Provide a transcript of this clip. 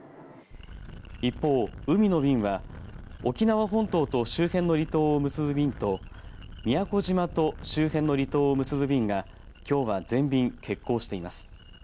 一方、海の便は沖縄本島と周辺の離島を結ぶ便と宮古島と周辺の離島を結ぶ便がきょうは全便欠航しています。